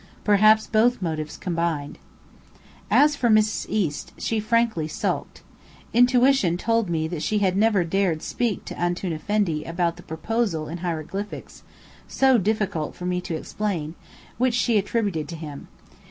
Perhaps both motives combined. As for Mrs. East, she frankly sulked. Intuition told me that she had never dared speak to "Antoun Effendi" about the proposal in hieroglyphics (so difficult for me to explain) which she attributed to him.